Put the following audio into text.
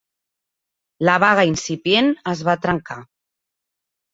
La vaga incipient es va trencar.